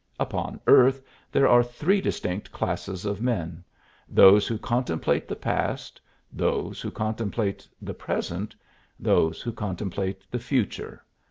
Upon earth there are three distinct classes of men: Those who contemplate the past, those who contemplate the present, those who contemplate the future.